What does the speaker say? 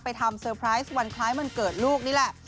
ทำเซอร์ไพรส์วันคล้ายวันเกิดลูกนี่แหละ